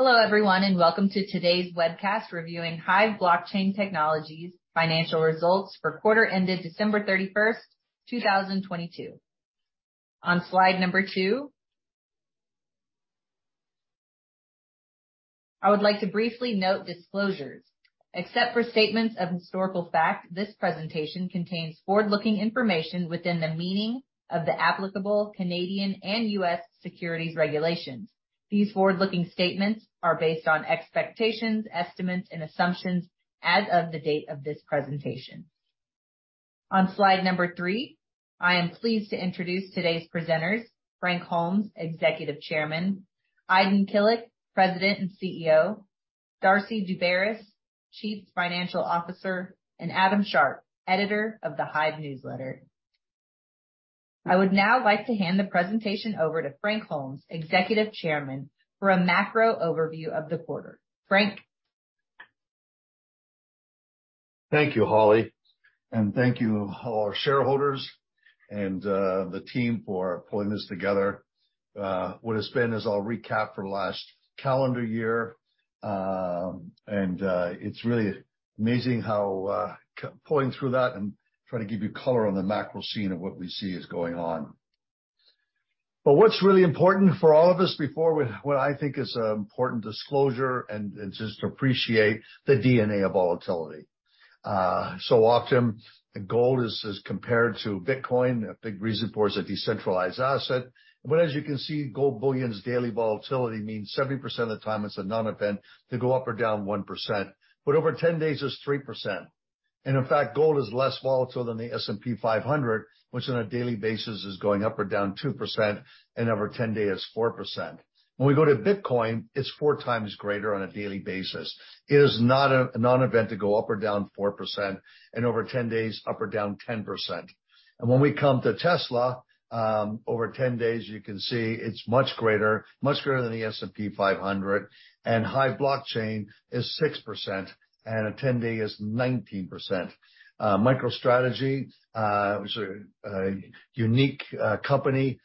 Hello, everyone, welcome to today's webcast reviewing HIVE Blockchain Technologies financial results for quarter ended December 31st, 2022. On slide number two. I would like to briefly note disclosures. Except for statements of historical fact, this presentation contains forward-looking information within the meaning of the applicable Canadian and U.S. securities regulations. These forward-looking statements are based on expectations, estimates, and assumptions as of the date of this presentation. On slide number three, I am pleased to introduce today's presenters, Frank Holmes, Executive Chairman, Aydin Kilic, President and CEO, Darcy Daubaras, Chief Financial Officer, and Adam Sharp, Editor of the HIVE Newsletter. I would now like to hand the presentation over to Frank Holmes, Executive Chairman, for a macro overview of the quarter. Frank? Thank you, Holly, and thank you all our shareholders and the team for pulling this together. What has been is I'll recap for the last calendar year, and it's really amazing how pulling through that and try to give you color on the macro scene of what we see is going on. What's really important for all of us before what I think is an important disclosure and just appreciate the DNA of volatility. So often gold is compared to Bitcoin. A big reason for it is a decentralized asset. As you can see, gold bullion's daily volatility means 70% of the time it's a non-event to go up or down 1%, but over 10 days it's 3%. In fact, gold is less volatile than the S&P 500, which on a daily basis is going up or down 2% and over 10 days 4%. When we go to Bitcoin, it's four times greater on a daily basis. It is not a non-event to go up or down 4% and over 10 days up or down 10%. When we come to Tesla, over 10 days, you can see it's much greater, much greater than the S&P 500, HIVE Blockchain is 6%, and a 10-day is 19%. MicroStrategy, which is a unique company,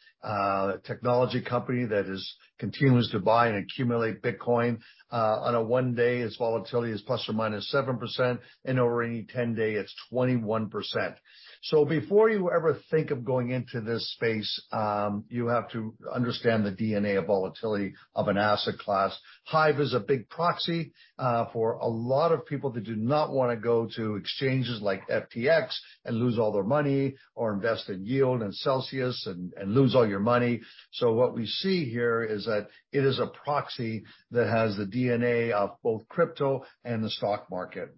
technology company that continues to buy and accumulate Bitcoin, on a one day its volatility is plus or minus 7%, and over any 10 day, it's 21%. Before you ever think of going into this space, you have to understand the DNA of volatility of an asset class. HIVE is a big proxy for a lot of people that do not wanna go to exchanges like FTX and lose all their money or invest in Yield and Celsius and lose all your money. What we see here is that it is a proxy that has the DNA of both crypto and the stock market.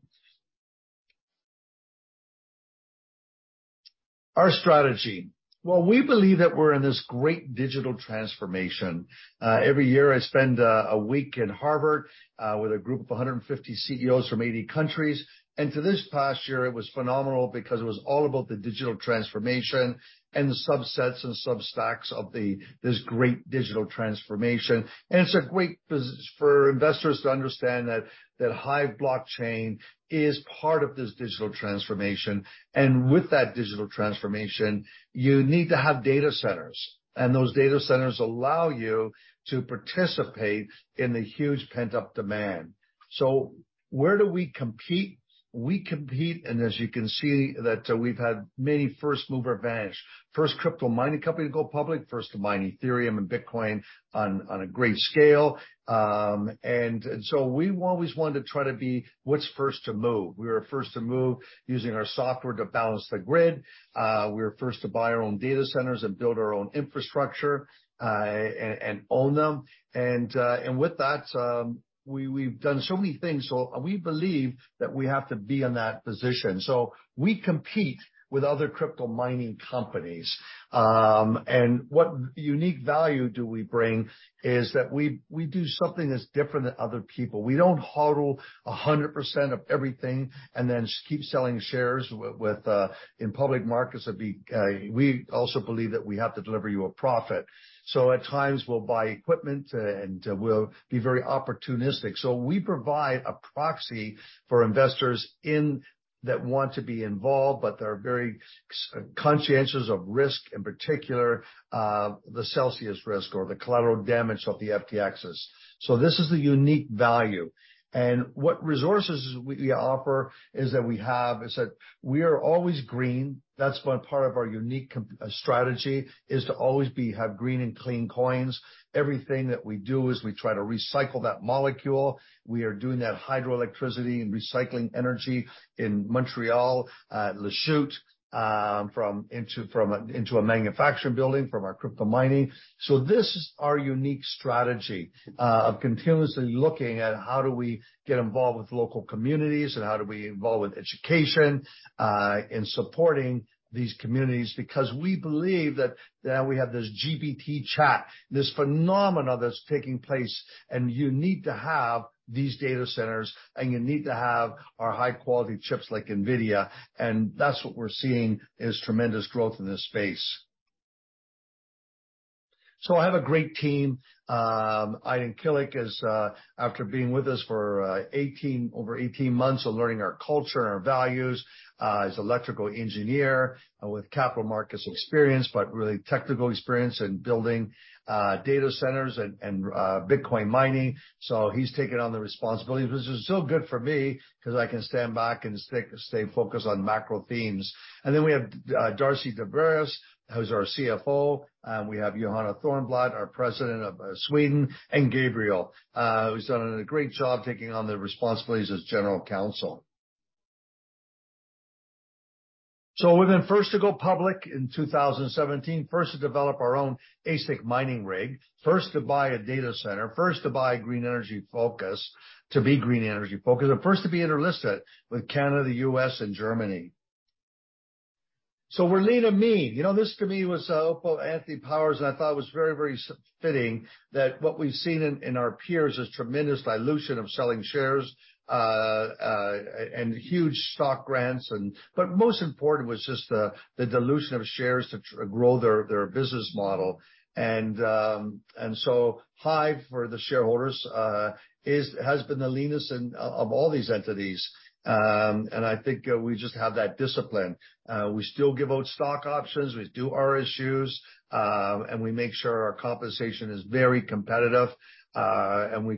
Our strategy. Well, we believe that we're in this great digital transformation. Every year I spend a week in Harvard with a group of 150 CEOs from 80 countries, and for this past year it was phenomenal because it was all about the digital transformation and the subsets and sub stacks of this great digital transformation. It's a great for investors to understand that HIVE Blockchain is part of this digital transformation. With that digital transformation, you need to have data centers, and those data centers allow you to participate in the huge pent-up demand. Where do we compete? We compete, and as you can see that we've had many first-mover advantage. First crypto mining company to go public, first to mine Ethereum and Bitcoin on a great scale. We've always wanted to try to be what's first to move. We were first to move using our software to balance the grid. We were first to buy our own data centers and build our own infrastructure and own them. With that, we've done so many things. We believe that we have to be in that position. We compete with other crypto mining companies. What unique value do we bring is that we do something that's different than other people. We don't HODL 100% of everything and then keep selling shares with in public markets. We also believe that we have to deliver you a profit. At times, we'll buy equipment and we'll be very opportunistic. We provide a proxy for investors that want to be involved but are very conscientious of risk, in particular, the Celsius risk or the collateral damage of the FTXs. This is a unique value. What resources we offer is that we are always green. That's one part of our unique strategy, is to always have green and clean coins. Everything that we do is we try to recycle that molecule. We are doing that hydroelectricity and recycling energy in Montreal, Lachute, into a manufacturing building from our crypto mining. This is our unique strategy of continuously looking at how do we get involved with local communities and how do we involve with education in supporting these communities, because we believe that now we have this GPT chat, this phenomena that's taking place, and you need to have these data centers, and you need to have our high-quality chips like NVIDIA. That's what we're seeing is tremendous growth in this space. I have a great team. Aydin Kilic is after being with us for over 18 months of learning our culture and our values, is electrical engineer with capital markets experience, but really technical experience in building data centers and Bitcoin mining. He's taken on the responsibilities, which is so good for me 'cause I can stand back and stay focused on macro themes. We have Darcy Daubaras, who's our CFO, we have Johanna Thörnblad, our President of Sweden, Gabriel, who's done a great job taking on the responsibilities as General Counsel. Within first to go public in 2017, first to develop our own ASIC mining rig, first to buy a data center, first to buy to be green energy focused, and first to be inter-listed with Canada, U.S., and Germany. We're lean and mean. You know, this to me was Anthony Power, and I thought it was very, very fitting that what we've seen in our peers is tremendous dilution of selling shares, and huge stock grants and... Most important was just the dilution of shares to grow their business model. HIVE for the shareholders has been the leanest of all these entities. I think, we just have that discipline. We still give out stock options, we do RSUs, and we make sure our compensation is very competitive, and we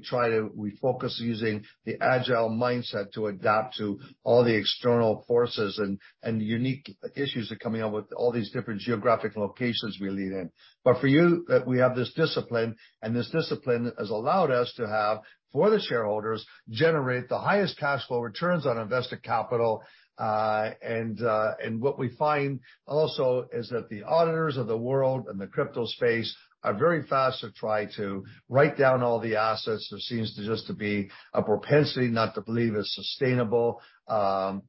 focus on using the Agile mindset to adapt to all the external forces and unique issues that are coming up with all these different geographic locations we live in. For you that we have this discipline, and this discipline has allowed us to have, for the shareholders, generate the highest cash flow returns on invested capital. What we find also is that the auditors of the world and the crypto space are very fast to try to write down all the assets. There seems to just to be a propensity not to believe it's sustainable. I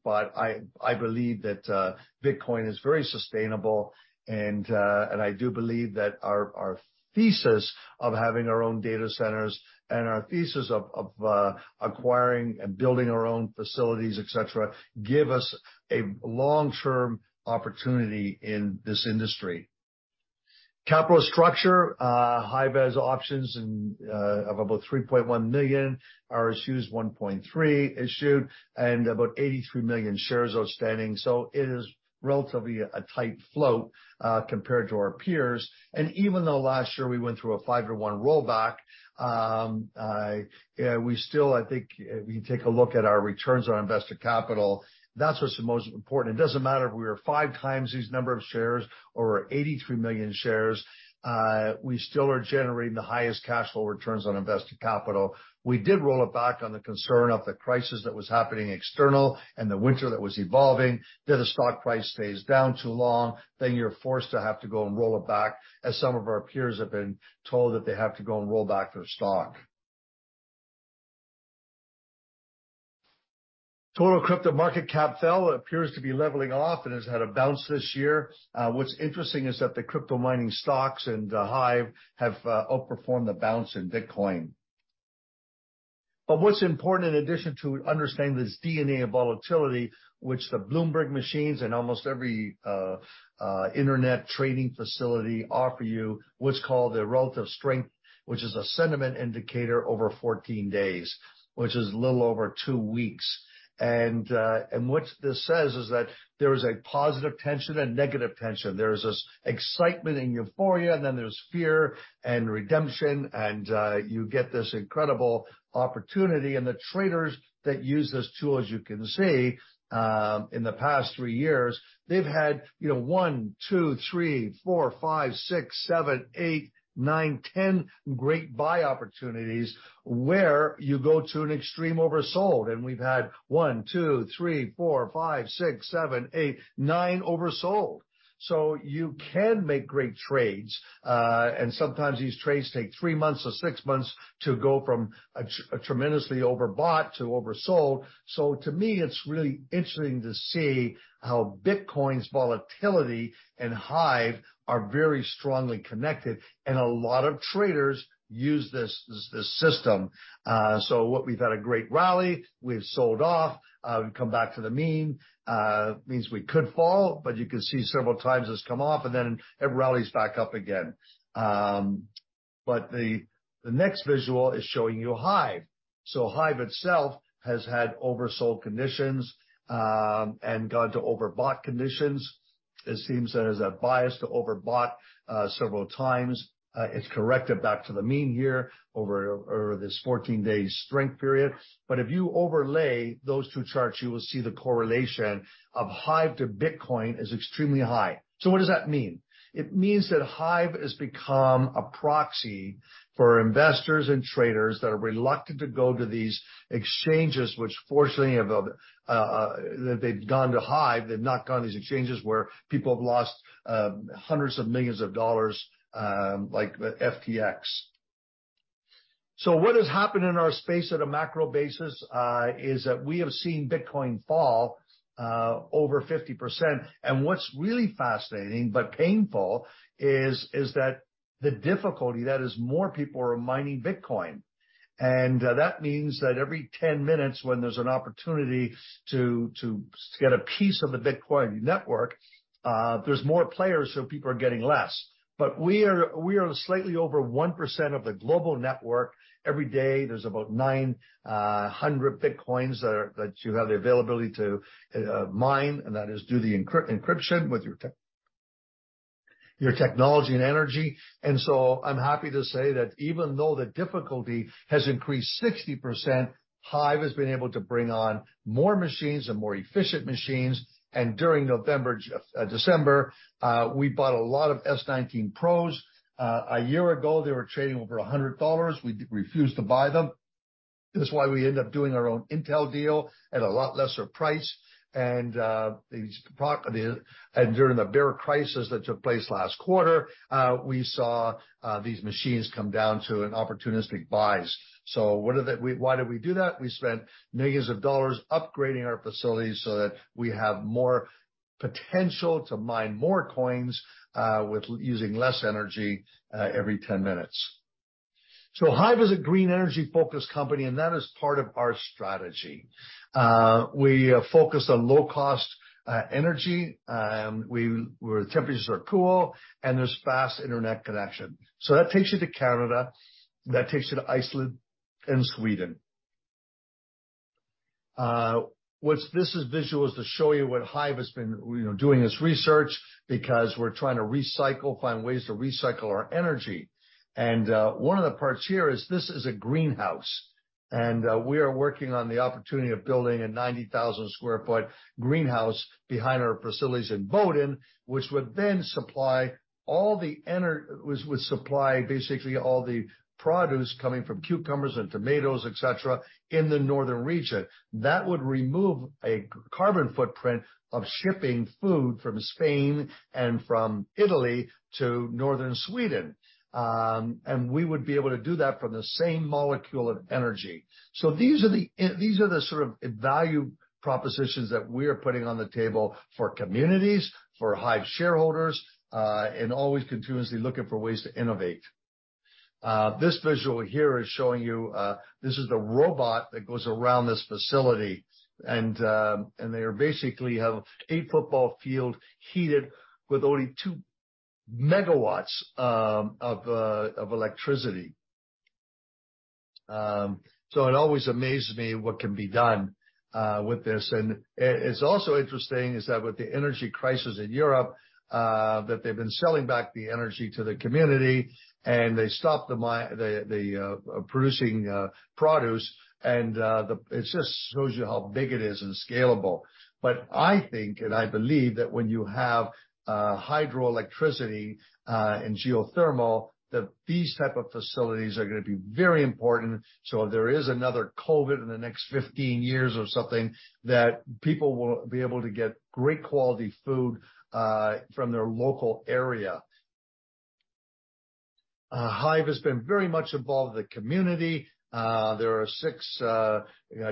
believe that Bitcoin is very sustainable and I do believe that our thesis of having our own data centers and our thesis of acquiring and building our own facilities, et cetera, give us a long-term opportunity in this industry. Capital structure, HIVE has options of about 3.1 million, RSUs 1.3 issued, and about 83 million shares outstanding. It is relatively a tight float compared to our peers. Even though last year we went through a five-to-one rollback, we still, I think, if you take a look at our returns on invested capital, that's what's the most important. It doesn't matter if we were five times these number of shares or 83 million shares, we still are generating the highest cash flow returns on invested capital. We did roll it back on the concern of the crisis that was happening external and the winter that was evolving, that a stock price stays down too long, then you're forced to have to go and roll it back, as some of our peers have been told that they have to go and roll back their stock. Total crypto market cap fell, appears to be leveling off and has had a bounce this year. What's interesting is that the crypto mining stocks and HIVE have outperformed the bounce in Bitcoin. What's important in addition to understanding this DNA of volatility, which the Bloomberg machines and altwoost every internet trading facility offer you what's called a Relative Strength, which is a sentiment indicator over 14 days, which is a little over two weeks. What this says is that there is a positive tension, a negative tension. There's this excitement and euphoria, and then there's fear and redemption, and you get this incredible opportunity. The traders that use this tool, as you can see, in the past three years, they've had, you know, one, two, three, four, five, six, seven, eight, nine, 10 great buy opportunities where you go to an extreme oversold. We've had one, two, three, four, five, six, seven, eight, nine oversold. You can make great trades, and sometimes these trades take three months or six months to go from a tremendously overbought to oversold. To me, it's really interesting to see how Bitcoin's volatility and HIVE are very strongly connected, and a lot of traders use this system. What we've had a great rally, we've sold off, we've come back to the mean. Means we could fall, but you can see several times this come off and then it rallies back up again. The next visual is showing you HIVE. HIVE itself has had oversold conditions, and gone to overbought conditions. It seems there's a bias to overbought several times. It's corrected back to the mean here over this 14-day strength period. If you overlay those two charts, you will see the correlation of HIVE to Bitcoin is extremely high. What does that mean? It means that HIVE has become a proxy for investors and traders that are reluctant to go to these exchanges, which fortunately have, they've gone to HIVE. They've not gone to these exchanges where people have lost hundreds of millions of dollars, like FTX. What has happened in our space at a macro basis, is that we have seen Bitcoin fall over 50%. What's really fascinating but painful is that the difficulty that is more people are mining Bitcoin. That means that every 10 minutes when there's an opportunity to get a piece of the Bitcoin network, there's more players, so people are getting less. We are slightly over 1% of the global network. Every day, there's about 900 Bitcoins that you have the availability to mine, and that is do the encryption with your technology and energy. I'm happy to say that even though the difficulty has increased 60%, HIVE has been able to bring on more machines and more efficient machines. During November, December, we bought a lot of S19 Pros. A year ago, they were trading over 100 dollars. We refused to buy them. That's why we end up doing our own Intel deal at a lot lesser price. During the bear crisis that took place last quarter, we saw these machines come down to an opportunistic buys. Why did we do that? We spent millions of dollars upgrading our facilities so that we have more potential to mine more coins with using less energy every 10 minutes. HIVE is a green energy-focused company, and that is part of our strategy. We are focused on low-cost energy where the temperatures are cool and there's fast internet connection. That takes you to Canada, that takes you to Iceland and Sweden. This visual is to show you what HIVE has been, you know, doing this research because we're trying to recycle, find ways to recycle our energy. One of the parts here is this is a greenhouse, and we are working on the opportunity of building a 90,000 sq ft greenhouse behind our facilities in Boden, which would then supply basically all the produce coming from cucumbers and tomatoes, et cetera, in the northern region. That would remove a carbon footprint of shipping food from Spain and from Italy to northern Sweden. We would be able to do that from the same molecule of energy. These are the sort of value propositions that we are putting on the table for communities, for HIVE shareholders, and always continuously looking for ways to innovate. This visual here is showing you, this is the robot that goes around this facility. They basically have a football field heated with only 2 MW of electricity. It always amazes me what can be done with this. It's also interesting is that with the energy crisis in Europe, that they've been selling back the energy to the community and they stopped the produce. It just shows you how big it is and scalable. I think, and I believe that when you have hydroelectricity and geothermal, that these type of facilities are gonna be very important. If there is another COVID in the next 15 years or something, that people will be able to get great quality food from their local area. HIVE has been very much involved with the community. There are six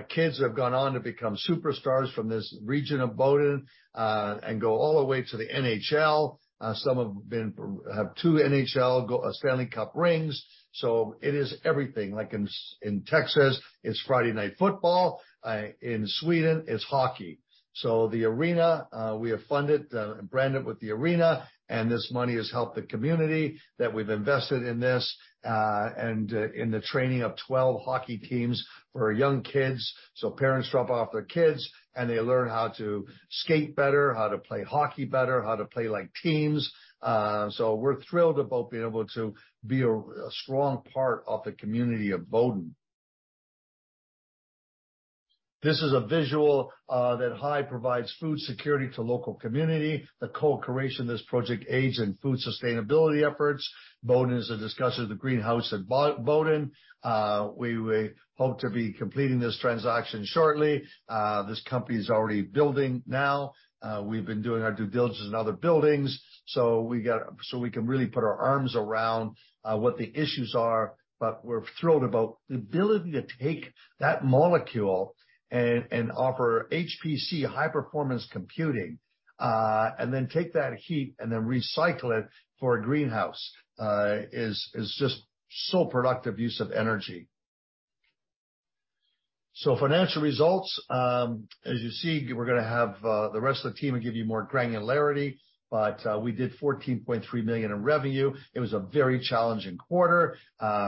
kids that have gone on to become superstars from this region of Boden, and go all the way to the NHL. Some have 2 NHL Stanley Cup rings. It is everything. Like in Texas, it's Friday Night Football. In Sweden, it's hockey. The arena, we have funded, branded with the arena, and this money has helped the community that we've invested in this, and in the training of 12 hockey teams for young kids. Parents drop off their kids, and they learn how to skate better, how to play hockey better, how to play like teams. We're thrilled about being able to be a strong part of the community of Boden. This is a visual that HIVE provides food security to local community. The co-creation of this project aids in food sustainability efforts. Boden is a discuss of the greenhouse at Bo-Boden. We hope to be completing this transaction shortly. This company is already building now. We've been doing our due diligence in other buildings, so we can really put our arms around what the issues are. We're thrilled about the ability to take that molecule and offer HPC, high performance computing, and then take that heat and then recycle it for a greenhouse, is just so productive use of energy. Financial results. As you see, we're gonna have the rest of the team will give you more granularity, but we did 14.3 million in revenue. It was a very challenging quarter.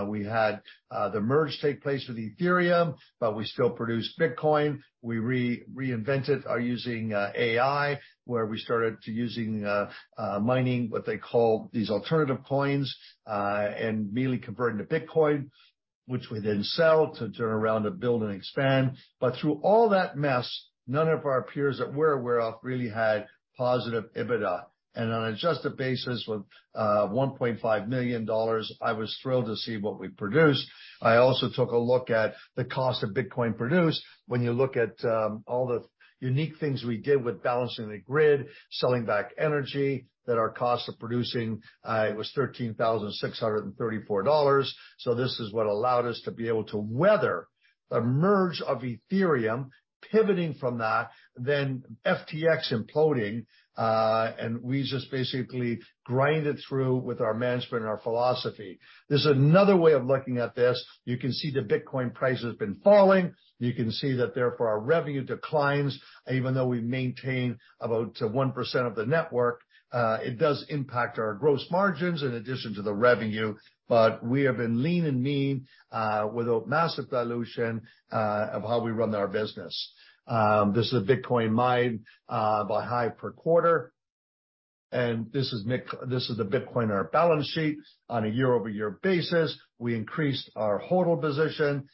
We had the merge take place with Ethereum, but we still produced Bitcoin. We reinvented our using AI, where we started to using mining what they call these alternative coins, and merely converting to Bitcoin, which we then sell to turn around to build and expand. Through all that mess, none of our peers that we're aware of really had positive EBITDA. On an adjusted basis with 1.5 million dollars, I was thrilled to see what we produced. I also took a look at the cost of Bitcoin produced. When you look at all the unique things we did with balancing the grid, selling back energy, that our cost of producing was 13,634 dollars. This is what allowed us to be able to weather the merge of Ethereum, pivoting from that, then FTX imploding, and we just basically grind it through with our management and our philosophy. This is another way of looking at this. You can see the Bitcoin price has been falling. You can see that therefore our revenue declines, even though we maintain about 1% of the network, it does impact our gross margins in addition to the revenue. We have been lean and mean, without massive dilution of how we run our business. This is a Bitcoin mined by HIVE per quarter. And this is the Bitcoin on our balance sheet on a year-over-year basis. We increased our HODL position.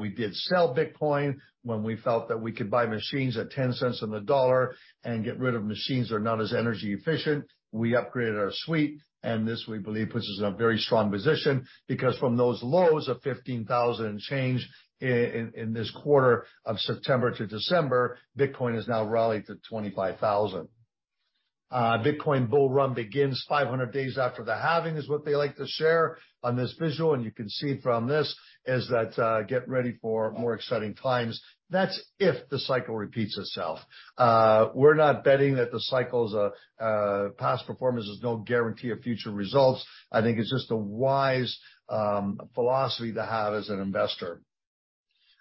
We did sell Bitcoin when we felt that we could buy machines at 0.10 on the dollar and get rid of machines that are not as energy efficient. We upgraded our suite, and this, we believe, puts us in a very strong position, because from those lows of 15,000 and change in this quarter of September to December, Bitcoin has now rallied to 25,000. Bitcoin bull run begins 500 days after the halving is what they like to share on this visual, and you can see from this is that, get ready for more exciting times. That's if the cycle repeats itself. We're not betting that the cycles are, past performance is no guarantee of future results. I think it's just a wise philosophy to have as an investor.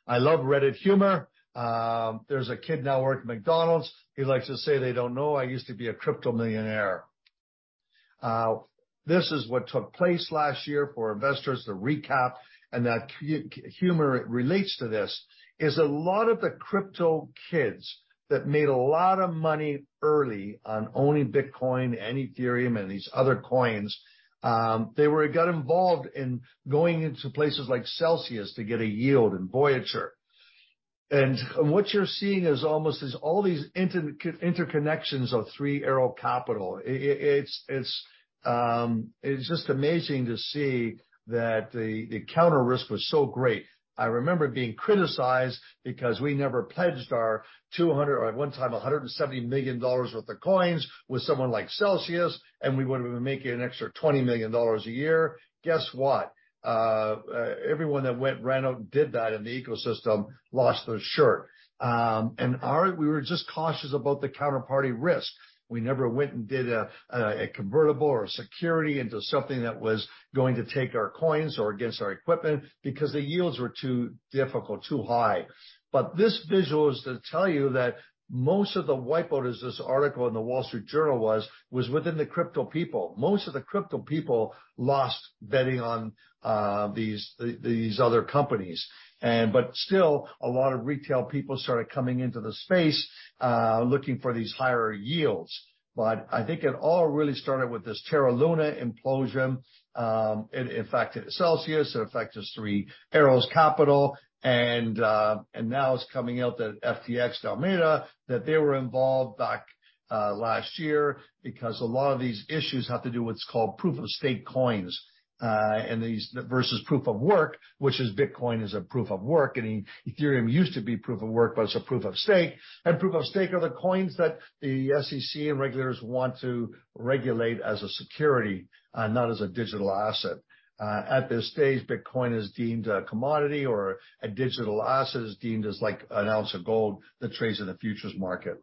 I love Reddit humor. There's a kid now working at McDonald's. He likes to say, "They don't know I used to be a crypto millionaire." This is what took place last year for investors to recap, and that humor relates to this, is a lot of the crypto kids that made a lot of money early on owning Bitcoin and Ethereum and these other coins, they got involved in going into places like Celsius to get a yield and Voyager. What you're seeing is almost as all these interconnections of Three Arrows Capital. It's just amazing to see that the counter risk was so great. I remember being criticized because we never pledged our 200 or at one time 170 million dollars worth of coins with someone like Celsius, and we would have been making an extra 20 million dollars a year. Guess what? Everyone that ran out and did that in the ecosystem lost their shirt. We were just cautious about the counterparty risk. We never went and did a convertible or security into something that was going to take our coins or against our equipment because the yields were too difficult, too high. This visual is to tell you that most of the wipe out, as this article in The Wall Street Journal was within the crypto people. Most of the crypto people lost betting on these other companies. Still, a lot of retail people started coming into the space, looking for these higher yields. I think it all really started with this Terra Luna implosion. It affected Celsius, it affected Three Arrows Capital, and now it's coming out that FTX, Alameda, that they were involved back, last year because a lot of these issues have to do with what's called Proof of Stake coins, versus Proof of Work, which is Bitcoin is a Proof of Work. Ethereum used to be Proof of Work, but it's a Proof of Stake. Proof of Stake are the coins that the SEC and regulators want to regulate as a security, not as a digital asset. At this stage, Bitcoin is deemed a commodity or a digital asset is deemed as like an ounce of gold that trades in the futures market.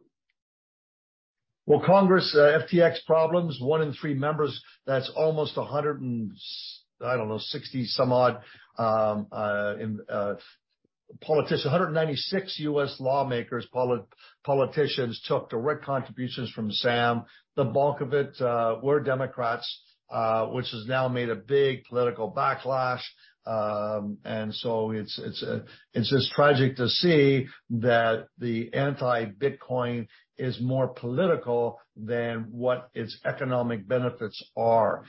Congress, FTX problems, one in three members, that's almost 160 some odd in politicians. 196 U.S. lawmakers, politicians took direct contributions from Sam. The bulk of it were Democrats, which has now made a big political backlash. It's, it's just tragic to see that the anti-Bitcoin is more political than what its economic benefits are.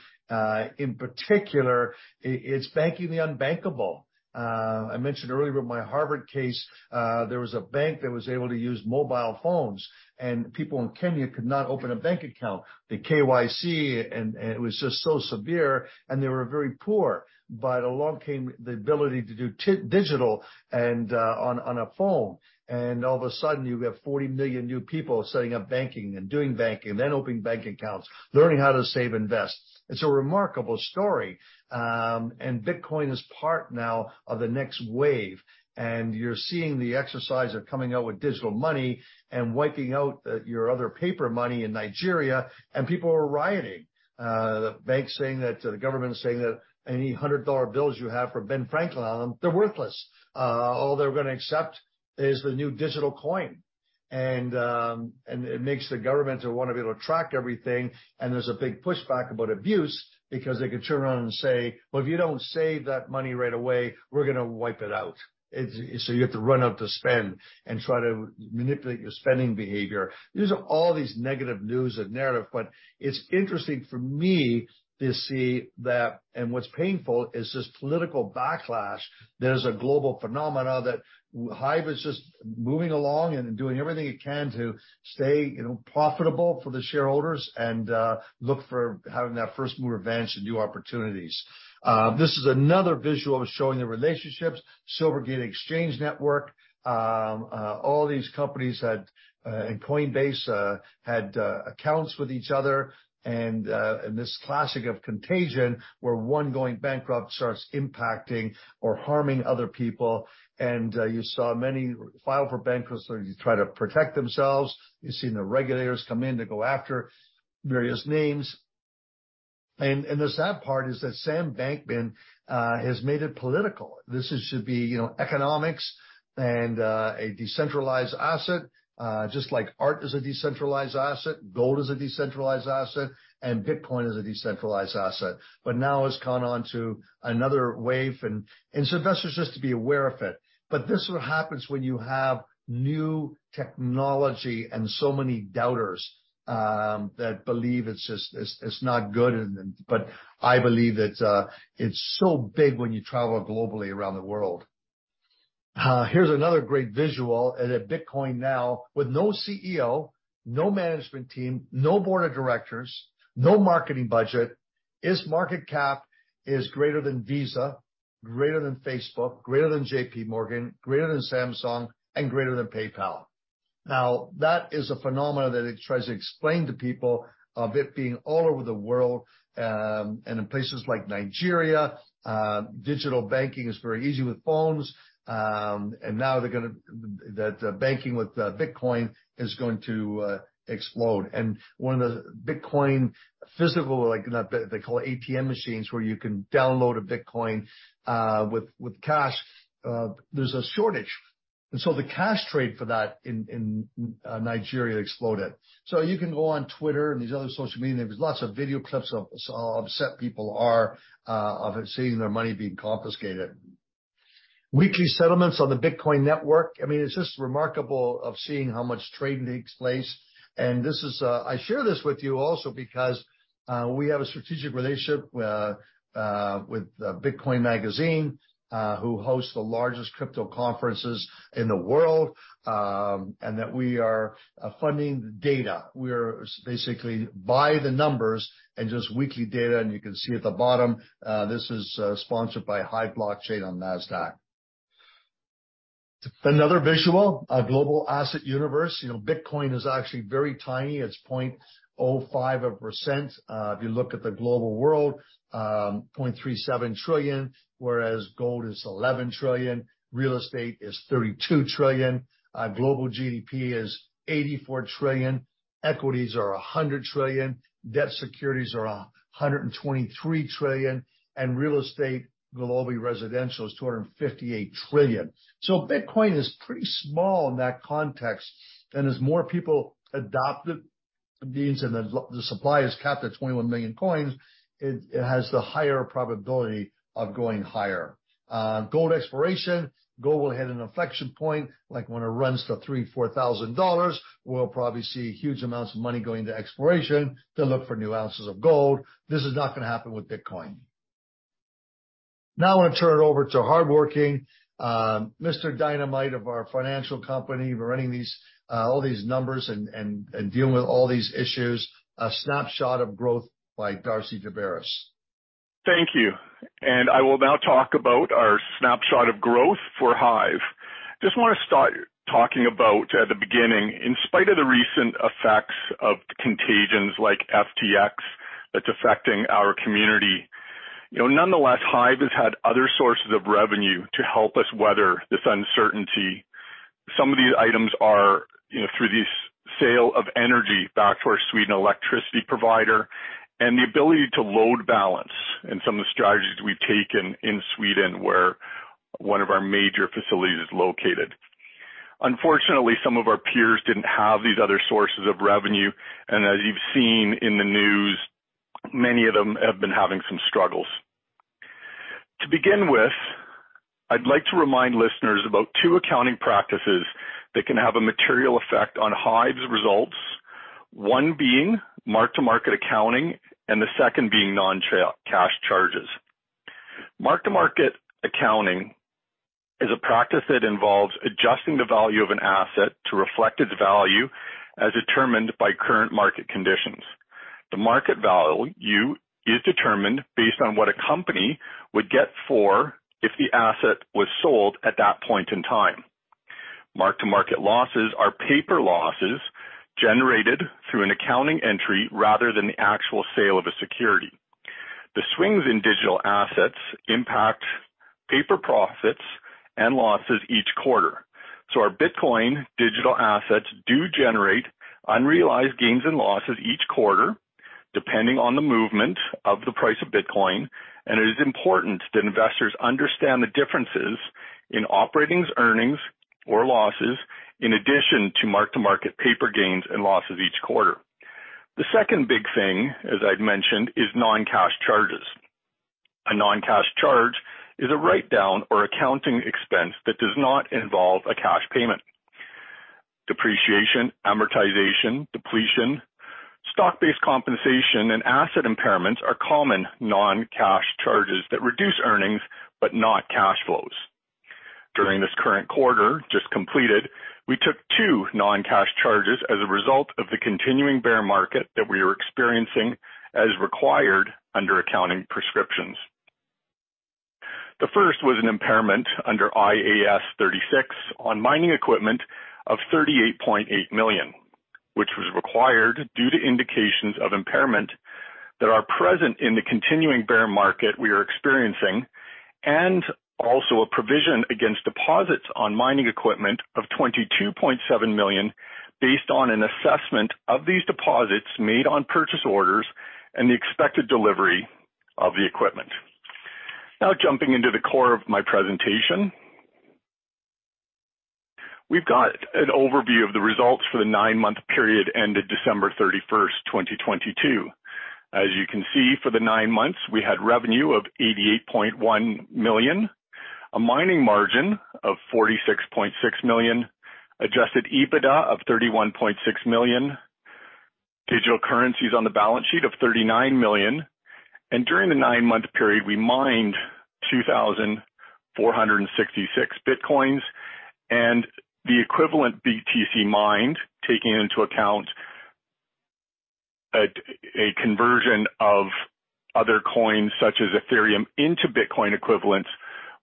In particular, it's banking the unbankable. I mentioned earlier in my Harvard case, there was a bank that was able to use mobile phones, and people in Kenya could not open a bank account. The KYC and it was just so severe, and they were very poor. Along came the ability to do digital on a phone. All of a sudden, you have 40 million new people setting up banking and doing banking, then opening bank accounts, learning how to save, invest. It's a remarkable story. Bitcoin is part now of the next wave, and you're seeing the exercise of coming out with digital money and wiping out your other paper money in Nigeria, and people are rioting. The bank saying that, the government is saying that any 100 dollar bills you have for Ben Franklin on them, they're worthless. All they're gonna accept is the new digital coin. It makes the government wanna be able to track everything, and there's a big pushback about abuse because they could turn around and say, "Well, if you don't save that money right away, we're gonna wipe it out." You have to run up the spend and try to manipulate your spending behavior. These are all these negative news and narrative, it's interesting for me to see that, what's painful is this political backlash. There's a global phenomena that HIVE is just moving along and doing everything it can to stay, you know, profitable for the shareholders and look for having that first mover advantage and new opportunities. This is another visual showing the relationships. Silvergate Exchange Network, all these companies had, and Coinbase, had accounts with each other. This classic of contagion where one going bankrupt starts impacting or harming other people. You saw many file for bankruptcy to try to protect themselves. You've seen the regulators come in to go after various names. The sad part is that Sam Bankman has made it political. This is to be, you know, economics and a decentralized asset, just like art is a decentralized asset, gold is a decentralized asset, and Bitcoin is a decentralized asset. Now it's gone on to another wave. Investors just to be aware of it. This is what happens when you have new technology and so many doubters that believe it's just, it's not good. I believe that it's so big when you travel globally around the world. Here's another great visual that Bitcoin now, with no CEO, no management team, no board of directors, no marketing budget, its market cap is greater than Visa, greater than Facebook, greater than JPMorgan, greater than Samsung, and greater than PayPal. That is a phenomenon that it tries to explain to people of it being all over the world, and in places like Nigeria, digital banking is very easy with phones, and now that banking with Bitcoin is going to explode. One of the Bitcoin physical, like that they call ATM machines, where you can download a Bitcoin with cash, there's a shortage. The cash trade for that in Nigeria exploded. You can go on Twitter and these other social media, there's lots of video clips of so upset people are of seeing their money being confiscated. Weekly settlements on the Bitcoin network. I mean, it's just remarkable of seeing how much trade takes place. This is, I share this with you also because we have a strategic relationship with Bitcoin Magazine, who hosts the largest crypto conferences in the world, and that we are funding the data. We're basically by the numbers and just weekly data, and you can see at the bottom, this is sponsored by HIVE Blockchain on Nasdaq. Another visual, a global asset universe. You know, Bitcoin is actually very tiny. It's 0.05%. If you look at the global world, 0.37 trillion, whereas gold is 11 trillion, real estate is 32 trillion, global GDP is 84 trillion, equities are 100 trillion, debt securities are 123 trillion, and real estate, globally residential, is 258 trillion. Bitcoin is pretty small in that context. As more people adopt it means that the supply is capped at 21 million coins, it has the higher probability of going higher. Gold exploration, gold will hit an inflection point, like when it runs to CAD 3,000-$4,000, we'll probably see huge amounts of money going to exploration to look for new ounces of gold. This is not gonna happen with Bitcoin. I want to turn it over to hardworking Mr.Dynamite of our financial company, running these, all these numbers and dealing with all these issues. A snapshot of growth by Darcy Daubaras. Thank you. I will now talk about our snapshot of growth for HIVE. Just wanna start talking about at the beginning, in spite of the recent effects of contagions like FTX that's affecting our community, you know, nonetheless, HIVE has had other sources of revenue to help us weather this uncertainty. Some of these items are, you know, through this sale of energy back to our Sweden electricity provider and the ability to load balance and some of the strategies we've taken in Sweden, where one of our major facilities is located. Unfortunately, some of our peers didn't have these other sources of revenue, as you've seen in the news, many of them have been having some struggles. To begin with, I'd like to remind listeners about two accounting practices that can have a material effect on HIVE's results. One being mark-to-market accounting and the second being non-trail cash charges. Mark-to-market accounting is a practice that involves adjusting the value of an asset to reflect its value as determined by current market conditions. The market value is determined based on what a company would get for if the asset was sold at that point in time. Market-to-market losses are paper losses generated through an accounting entry rather than the actual sale of a security. The swings in digital assets impact paper profits and losses each quarter. Our Bitcoin digital assets do generate unrealized gains and losses each quarter, depending on the movement of the price of Bitcoin. It is important that investors understand the differences in operating earnings or losses in addition to mark-to-market paper gains and losses each quarter. The second big thing, as I'd mentioned, is non-cash charges. A non-cash charge is a write-down or accounting expense that does not involve a cash payment. Depreciation, amortization, depletion, stock-based compensation, and asset impairments are common non-cash charges that reduce earnings but not cash flows. During this current quarter just completed, we took two non-cash charges as a result of the continuing bear market that we are experiencing, as required under accounting prescriptions. The first was an impairment under IAS 36 on mining equipment of 38.8 million, which was required due to indications of impairment that are present in the continuing bear market we are experiencing. A provision against deposits on mining equipment of 22.7 million based on an assessment of these deposits made on purchase orders and the expected delivery of the equipment. Jumping into the core of my presentation. We've got an overview of the results for the nine-month period ended December 31, 2022. As you can see, for the nine months, we had revenue of 88.1 million, a mining margin of 46.6 million, Adjusted EBITDA of 31.6 million, digital currencies on the balance sheet of 39 million, and during the nine-month period, we mined 2,466 Bitcoin. The equivalent BTC mined, taking into account a conversion of other coins such as Ethereum into Bitcoin equivalents,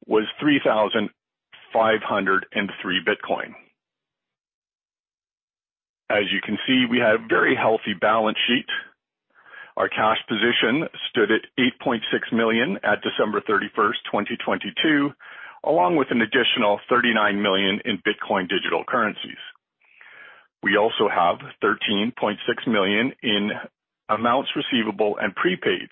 was 3,503 Bitcoin. As you can see, we had a very healthy balance sheet. Our cash position stood at 8.6 million at December 31, 2022, along with an additional 39 million in Bitcoin digital currencies. We also have 13.6 million in amounts receivable and prepaids.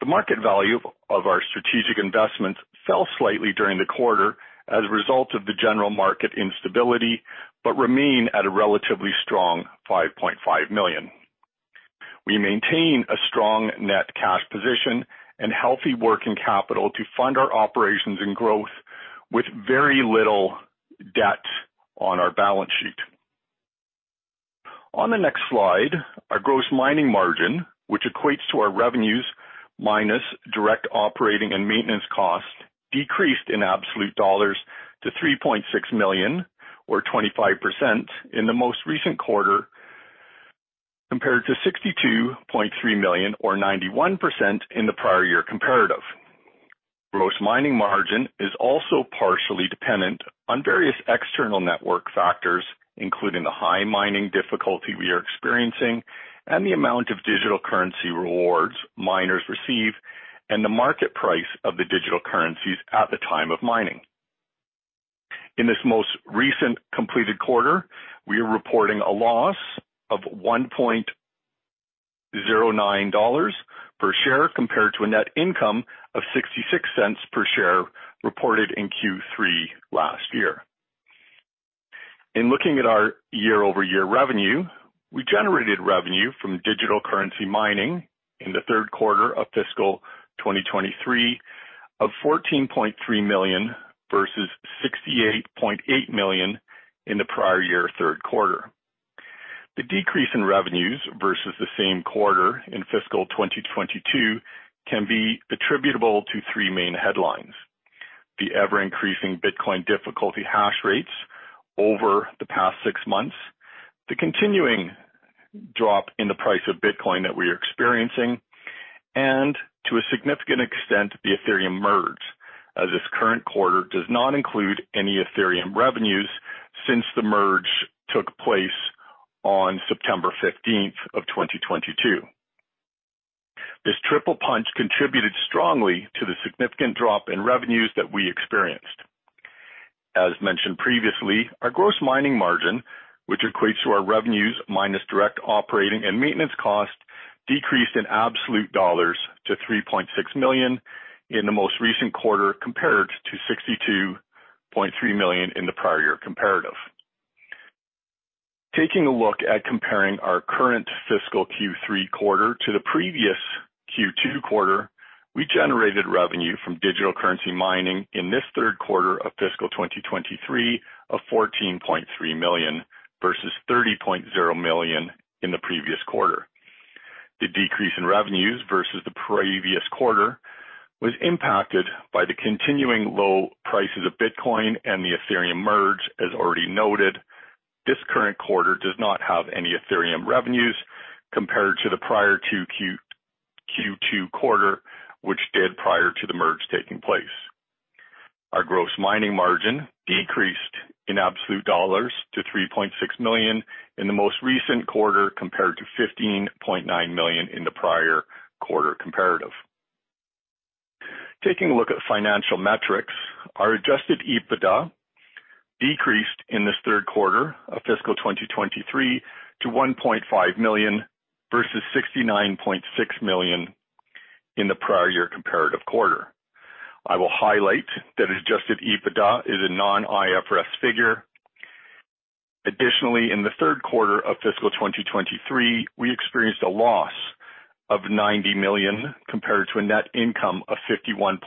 The market value of our strategic investments fell slightly during the quarter as a result of the general market instability, but remain at a relatively strong 5.5 million. We maintain a strong net cash position and healthy working capital to fund our operations and growth with very little debt on our balance sheet. On the next slide, our gross mining margin, which equates to our revenues minus direct operating and maintenance costs, decreased in absolute dollars to 3.6 million or 25% in the most recent quarter, compared to 62.3 million or 91% in the prior year comparative. Gross mining margin is also partially dependent on various external network factors, including the high mining difficulty we are experiencing and the amount of digital currency rewards miners receive and the market price of the digital currencies at the time of mining. In this most recent completed quarter, we are reporting a loss of 1.09 dollars per share, compared to a net income of 0.66 per share reported in Q3 last year. In looking at our year-over-year revenue, we generated revenue from digital currency mining in the third quarter of fiscal 2023 of 14.3 million versus 68.8 million in the prior year third quarter. The decrease in revenues versus the same quarter in fiscal 2022 can be attributable to three main headlines. The ever-increasing Bitcoin difficulty hashrates over the past six months, the continuing drop in the price of Bitcoin that we are experiencing, and to a significant extent, the Ethereum Merge, as this current quarter does not include any Ethereum revenues since the Merge took place on September 15, 2022. This triple punch contributed strongly to the significant drop in revenues that we experienced. As mentioned previously, our gross mining margin, which equates to our revenues minus direct operating and maintenance costs, decreased in absolute dollars to 3.6 million in the most recent quarter, compared to 62.3 million in the prior year comparative. Taking a look at comparing our current fiscal Q3 quarter to the previous Q2 quarter, we generated revenue from digital currency mining in this third quarter of fiscal 2023 of 14.3 million versus 30.0 million in the previous quarter. The decrease in revenues versus the previous quarter was impacted by the continuing low prices of Bitcoin and the Ethereum Merge as already noted. This current quarter does not have any Ethereum revenues compared to the prior to Q2 quarter, which did prior to the Merge taking place. Our gross mining margin decreased in absolute dollars to 3.6 million in the most recent quarter, compared to 15.9 million in the prior quarter-comparative. Taking a look at financial metrics, our Adjusted EBITDA decreased in this third quarter of fiscal 2023 to 1.5 million versus 69.6 million in the prior year-comparative quarter. I will highlight that Adjusted EBITDA is a non-IFRS figure. In the third quarter of fiscal 2023, we experienced a loss of 90 million compared to a net income of 51.2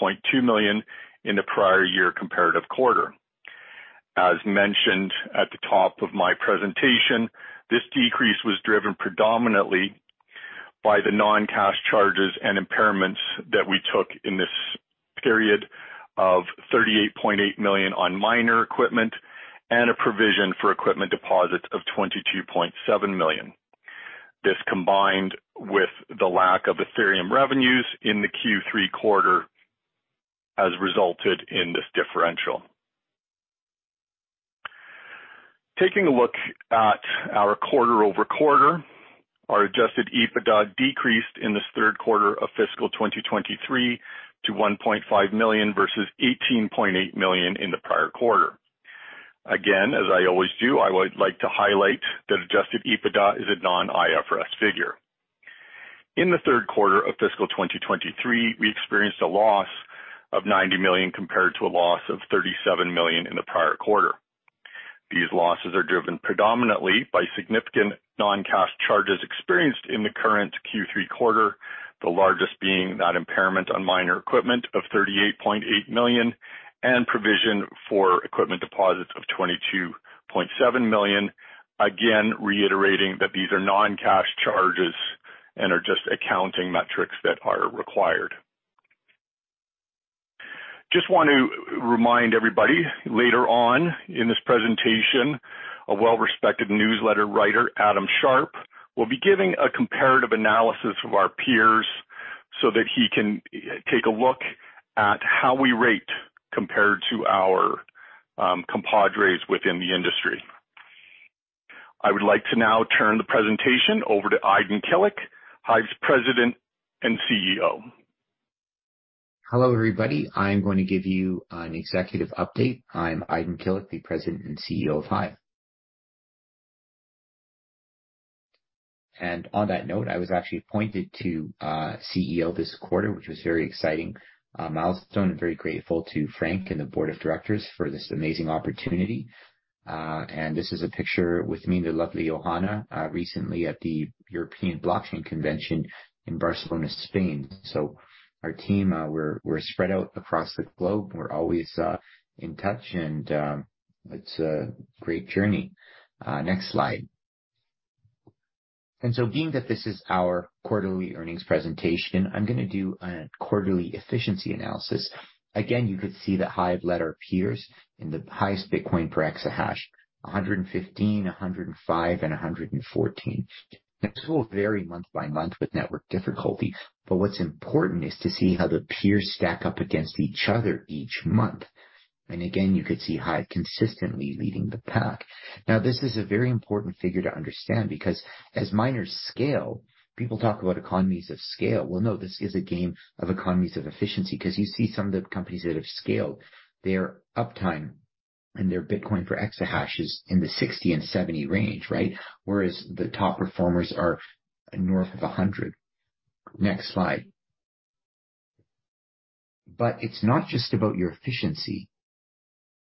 million in the prior year-comparative quarter. As mentioned at the top of my presentation, this decrease was driven predominantly by the non-cash charges and impairments that we took in this period of 38.8 million on miner equipment and a provision for equipment deposits of 22.7 million. This, combined with the lack of Ethereum revenues in the Q3 quarter, has resulted in this differential. Taking a look at our quarter-over-quarter, our adjusted EBITDA decreased in this third quarter of fiscal 2023 to 1.5 million versus 18.8 million in the prior quarter. As I always do, I would like to highlight that adjusted EBITDA is a non-IFRS figure. In the third quarter of fiscal 2023, we experienced a loss of 90 million compared to a loss of 37 million in the prior quarter. These losses are driven predominantly by significant non-cash charges experienced in the current Q3 quarter, the largest being that impairment on miner equipment of 38.8 million and provision for equipment deposits of 22.7 million. Reiterating that these are non-cash charges and are just accounting metrics that are required. Just want to remind everybody later on in this presentation, a well-respected newsletter writer, Adam Sharp, will be giving a comparative analysis of our peers so that he can take a look at how we rate compared to our compadres within the industry. I would like to now turn the presentation over to Aydin Kilic, HIVE's President and CEO. Hello, everybody. I'm going to give you an executive update. I'm Aydin Kilic, the President and CEO of HIVE. On that note, I was actually appointed to CEO this quarter, which was very exciting, a milestone. I'm very grateful to Frank and the board of directors for this amazing opportunity. This is a picture with me and the lovely Ohana, recently at the European Blockchain Convention in Barcelona, Spain. Our team, we're spread out across the globe. We're always in touch, and it's a great journey. Next slide. Being that this is our quarterly earnings presentation, I'm going to do a quarterly efficiency analysis. Again, you could see the HIVE letter appears in the highest Bitcoin per exahash, 115, 105, and 114. This will vary month by month with network difficulty. What's important is to see how the peers stack up against each other each month. Again, you could see HIVE consistently leading the pack. This is a very important figure to understand because as miners scale, people talk about economies of scale. No, this is a game of economies of efficiency because you see some of the companies that have scaled their uptime and their Bitcoin for exahash is in the 60 and 70 range, right? Whereas the top performers are north of 100. Next slide. It's not just about your efficiency.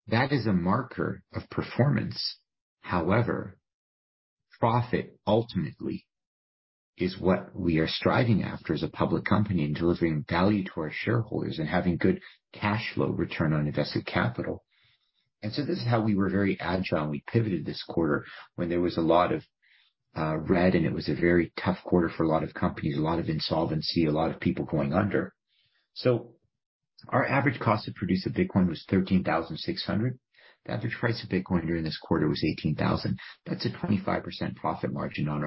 That is a marker of performance. However, profit ultimately is what we are striving after as a public company and delivering value to our shareholders and having good cash flow return on invested capital. This is how we were very agile, and we pivoted this quarter when there was a lot of red, and it was a very tough quarter for a lot of companies, a lot of insolvency, a lot of people going under. Our average cost to produce a Bitcoin was 13,600. The average price of Bitcoin during this quarter was 18,000. That's a 25% profit margin on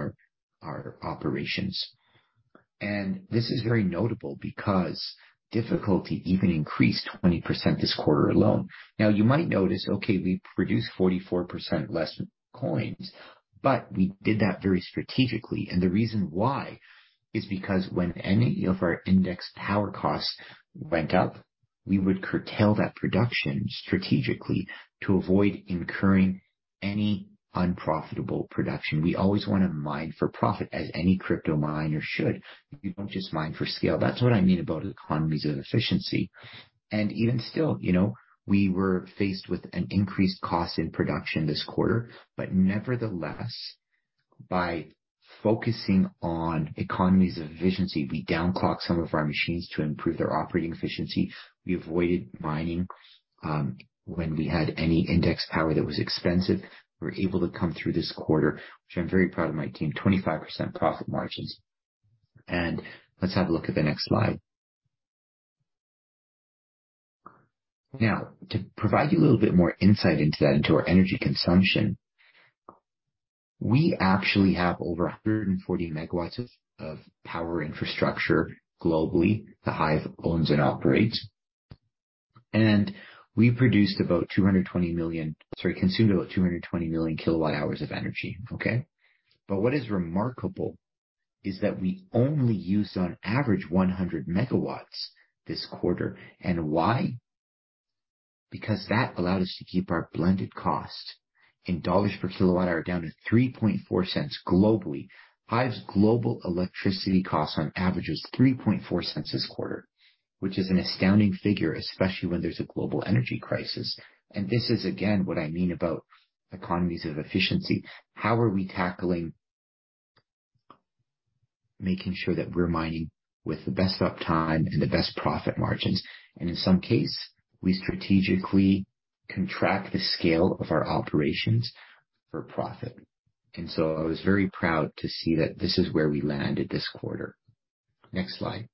our operations. This is very notable because difficulty even increased 20% this quarter alone. You might notice, okay, we produced 44% less coins, but we did that very strategically. The reason why is because when any of our index power costs went up, we would curtail that production strategically to avoid incurring any unprofitable production. We always want to mine for profit as any crypto miner should. You don't just mine for scale. That's what I mean about economies of efficiency. Even still, you know, we were faced with an increased cost in production this quarter, but nevertheless, by focusing on economies of efficiency, we downclocked some of our machines to improve their operating efficiency. We avoided mining when we had any index power that was expensive. We were able to come through this quarter, which I'm very proud of my team, 25% profit margins. Let's have a look at the next slide. Now, to provide you a little bit more insight into that, into our energy consumption, we actually have over 140 MW of power infrastructure globally that HIVE owns and operates. We consumed about 220 million kWh of energy. Okay? What is remarkable is that we only use on average 100 MW this quarter. Why? Because that allowed us to keep our blended cost in dollars per kWh down to 0.034 globally. HIVE's global electricity cost on average is 0.034 this quarter, which is an astounding figure, especially when there's a global energy crisis. This is again what I mean about economies of efficiency. How are we tackling making sure that we're mining with the best uptime and the best profit margins? In some case, we strategically contract the scale of our operations for profit. I was very proud to see that this is where we landed this quarter. Next slide.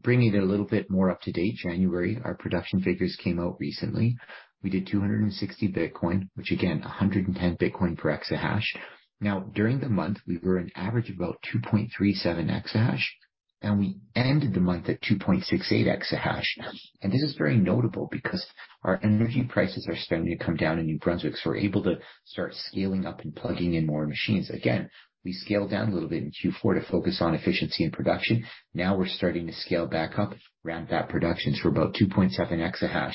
Bringing it a little bit more up to date, January, our production figures came out recently. We did 260 Bitcoin, which again 110 Bitcoin per exahash. During the month we were an average of about 2.37 exahash. And we ended the month at 2.68 exahash. This is very notable because our energy prices are starting to come down in New Brunswick, so we're able to start scaling up and plugging in more machines. We scaled down a little bit in Q4 to focus on efficiency and production. We're starting to scale back up, ramp up production to about 2.7 exahash.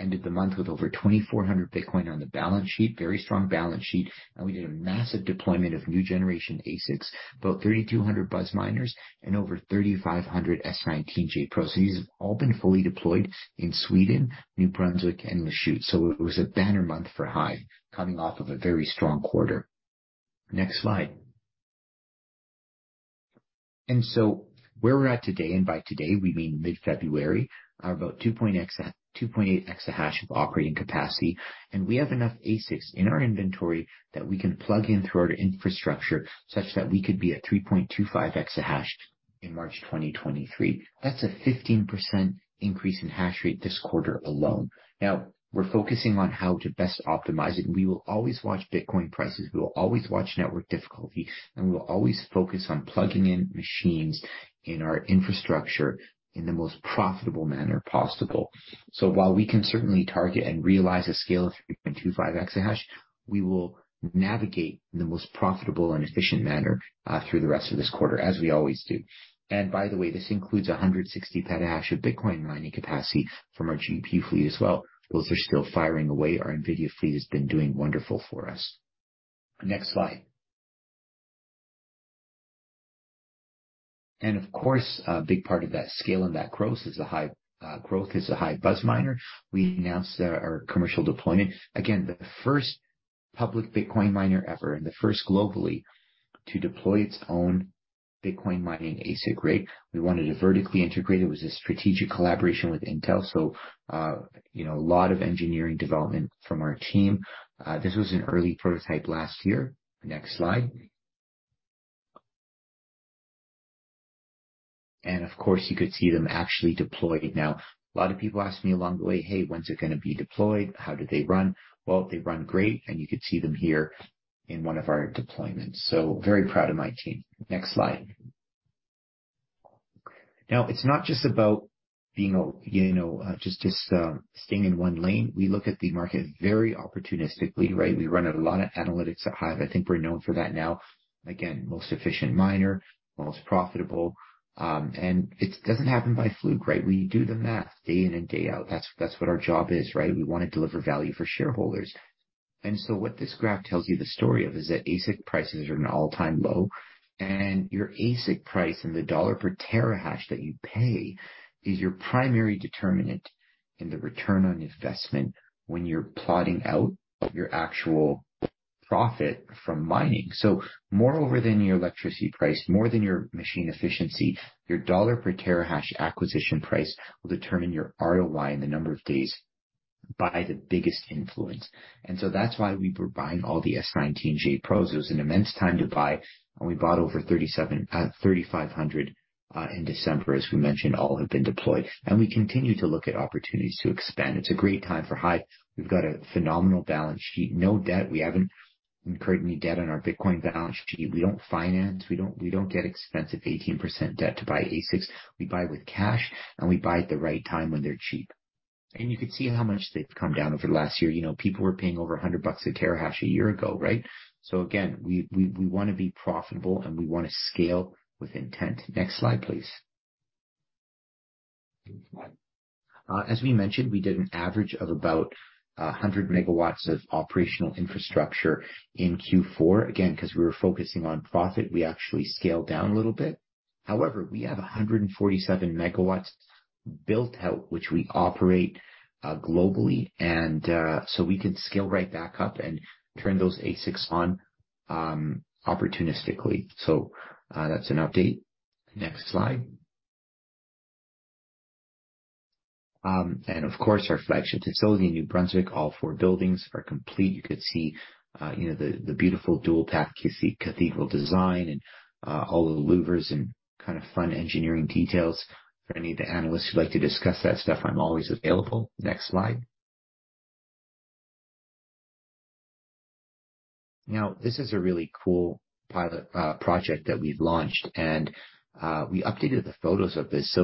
Ended the month with over 2,400 Bitcoin on the balance sheet. Very strong balance sheet. We did a massive deployment of new generation ASICs, about 3,200 Buzz miners and over 3,500 S19j Pros. These have all been fully deployed in Sweden, New Brunswick, and Lachute. It was a banner month for HIVE coming off of a very strong quarter. Next slide. Where we're at today, and by today we mean mid-February, are about 2.8 exahash of operating capacity. We have enough ASICs in our inventory that we can plug in through our infrastructure such that we could be at 3.25 exahash in March 2023. That's a 15% increase in hashrate this quarter alone. We're focusing on how to best optimize it. We will always watch Bitcoin prices, we will always watch network difficulty, and we will always focus on plugging in machines in our infrastructure in the most profitable manner possible. While we can certainly target and realize a scale of 3.25 exahash, we will navigate in the most profitable and efficient manner through the rest of this quarter, as we always do. By the way, this includes 160 petahash of Bitcoin mining capacity from our GPU fleet as well. Those are still firing away. Our NVIDIA fleet has been doing wonderful for us. Next slide. Of course, a big part of that scale and that growth is the HIVE growth is the HIVE BuzzMiner. We announced our commercial deployment. Again, the first public Bitcoin miner ever and the first globally to deploy its own Bitcoin mining ASIC rig. We wanted to vertically integrate. It was a strategic collaboration with Intel, so, you know, a lot of engineering development from our team. This was an early prototype last year. Next slide. Of course, you could see them actually deployed now. A lot of people ask me along the way, "Hey, when's it gonna be deployed? How do they run?" Well, they run great, and you can see them here in one of our deployments. Very proud of my team. Next slide. Now, it's not just about being a, you know, just staying in one lane. We look at the market very opportunistically, right? We run a lot of analytics at HIVE. I think we're known for that now. Again, most efficient miner, most profitable. It doesn't happen by fluke, right? We do the math day in and day out. That's what our job is, right? We want to deliver value for shareholders. What this graph tells you the story of is that ASIC prices are at an all-time low, and your ASIC price and the dollar per terahash that you pay is your primary determinant in the return on investment when you're plotting out your actual profit from mining. More over than your electricity price, more than your machine efficiency, your dollar per terahash acquisition price will determine your ROI in the number of days by the biggest influence. That's why we were buying all the S19J Pros. It was an immense time to buy, and we bought over 3,500 in December. As we mentioned, all have been deployed, and we continue to look at opportunities to expand. It's a great time for HIVE. We've got a phenomenal balance sheet, no debt. We haven't incurred any debt on our Bitcoin balance sheet. We don't finance. We don't get expensive 18% debt to buy ASICs. We buy with cash, and we buy at the right time when they're cheap. You can see how much they've come down over the last year. You know, people were paying over 100 bucks a terahash a year ago, right? Again, we wanna be profitable, and we wanna scale with intent. Next slide, please. As we mentioned, we did an average of about 100 MW of operational infrastructure in Q4. Again, 'cause we were focusing on profit, we actually scaled down a little bit. However, we have 147 MW built out, which we operate globally. We can scale right back up and turn those ASICs on opportunistically. That's an update. Next slide. Of course, our flagship facility in New Brunswick, all four buildings are complete. You could see, you know, the beautiful dual path QC cathedral design and all of the louvers and kind of fun engineering details. For any of the analysts who'd like to discuss that stuff, I'm always available. Next slide. Now, this is a really cool pilot project that we've launched. We updated the photos of this.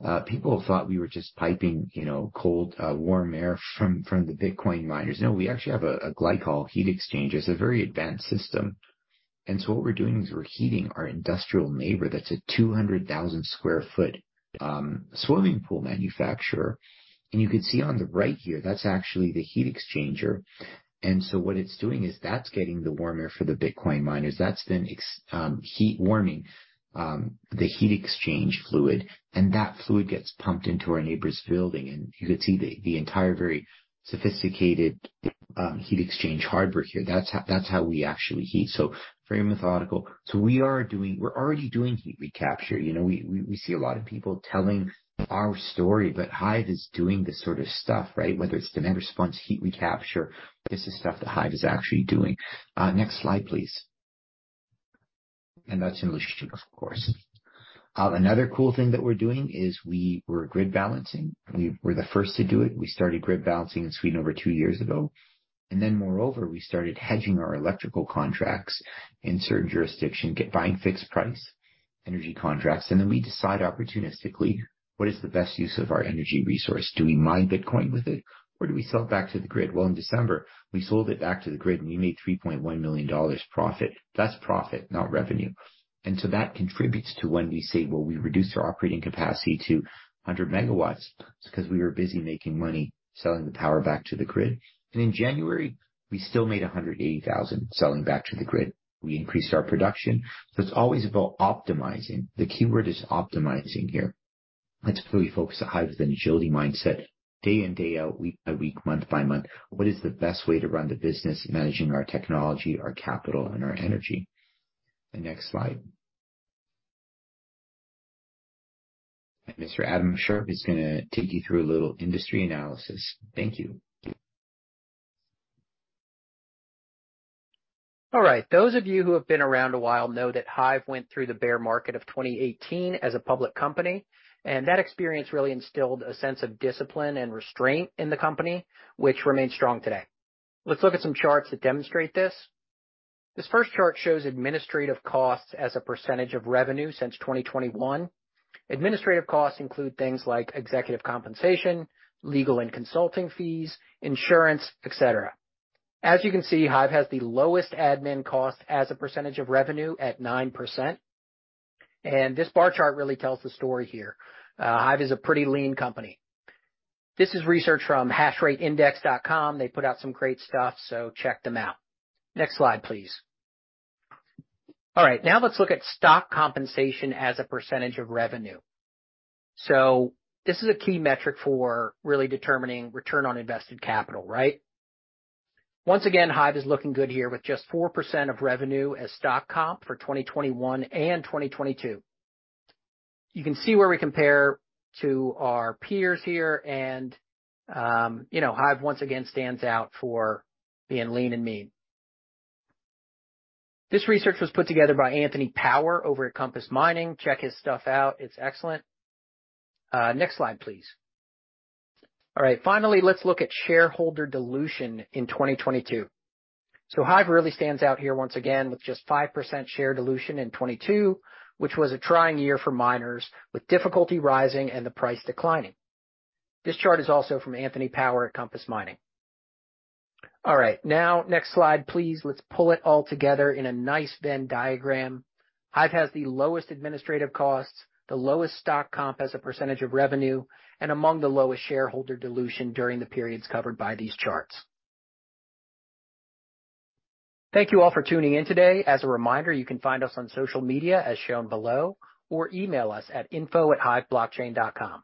So people thought we were just piping, you know, cold, warm air from the Bitcoin miners. No, we actually have a glycol heat exchanger. It's a very advanced system. What we're doing is we're heating our industrial neighbor that's a 200,000 sq ft, swimming pool manufacturer. You can see on the right here, that's actually the heat exchanger. What it's doing is that's getting the warm air for the Bitcoin miners. That's then heat warming, the heat exchange fluid, and that fluid gets pumped into our neighbor's building. You can see the entire very sophisticated heat exchange hardware here. That's how we actually heat. Very methodical. We're already doing heat recapture. You know, we see a lot of people telling our story, but HIVE is doing this sort of stuff, right? Whether it's dynamic response heat recapture, this is stuff that HIVE is actually doing. Next slide, please. That's in Lachute, of course. Another cool thing that we're doing is we were grid balancing. We were the first to do it. We started grid balancing in Sweden over two years ago. Moreover, we started hedging our electrical contracts in certain jurisdiction, get buying fixed price energy contracts. Then we decide opportunistically what is the best use of our energy resource. Do we mine Bitcoin with it or do we sell it back to the grid? Well, in December, we sold it back to the grid and we made 3.1 million dollars profit. That's profit, not revenue. That contributes to when we say, well, we reduced our operating capacity to 100 MW, it's 'cause we were busy making money selling the power back to the grid. In January, we still made 180,000 selling back to the grid. We increased our production. It's always about optimizing. The keyword is optimizing here. That's where we focus the HIVE with an Agile mindset day in, day out, week by week, month by month. What is the best way to run the business managing our technology, our capital, and our energy? The next slide. Mr. Adam Sharp is gonna take you through a little industry analysis. Thank you. All right. Those of you who have been around a while know that HIVE went through the bear market of 2018 as a public company, that experience really instilled a sense of discipline and restraint in the company, which remains strong today. Let's look at some charts that demonstrate this. This first chart shows administrative costs as a percentage of revenue since 2021. Administrative costs include things like executive compensation, legal and consulting fees, insurance, et cetera. As you can see, HIVE has the lowest admin cost as a percentage of revenue at 9%. This bar chart really tells the story here. HIVE is a pretty lean company. This is research from Hashrate Index.com. They put out some great stuff, check them out. Next slide, please. All right, now let's look at stock compensation as a percentage of revenue. This is a key metric for really determining return on invested capital, right? Once again, HIVE is looking good here with just 4% of revenue as stock comp for 2021 and 2022. You can see where we compare to our peers here and, you know, HIVE once again stands out for being lean and mean. This research was put together by Anthony Power over at Compass Mining. Check his stuff out. It's excellent. Next slide, please. All right, finally, let's look at shareholder dilution in 2022. HIVE really stands out here once again with just 5% share dilution in 2022, which was a trying year for miners with difficulty rising and the price declining. This chart is also from Anthony Power at Compass Mining. All right. Now, next slide, please. Let's pull it all together in a nice Venn diagram. HIVE has the lowest administrative costs, the lowest stock comp as a % of revenue, and among the lowest shareholder dilution during the periods covered by these charts. Thank you all for tuning in today. As a reminder, you can find us on social media as shown below, or email us at info@hiveblockchain.com.